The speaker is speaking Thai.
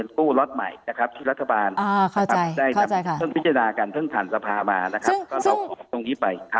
ก็เราขอบตรงนี้ไปค่ะ